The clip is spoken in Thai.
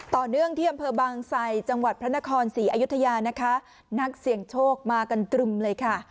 ต่อเนื่องที่อำเภอบางไซจังหวัดพระนครศรีอยุธยานะคะนักเสี่ยงโชคมากันตรึมเลยค่ะ